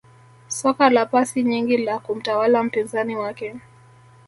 Soka la pasi nyingi la kumtawala mpinzani wake